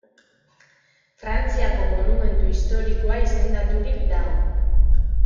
Frantziako monumentu historikoa izendaturik dago.